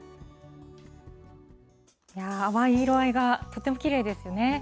淡い色合いがとてもきれいですね。